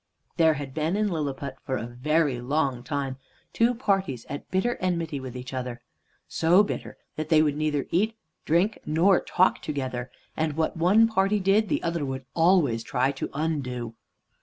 There had been in Lilliput for a very long time two parties at bitter enmity with each other, so bitter that they would neither eat, drink, nor talk together, and what one party did, the other would always try to undo.